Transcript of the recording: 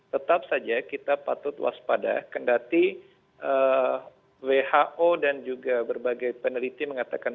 tetap saja kita patut waspada kendati who dan juga berbagai peneliti mengatakan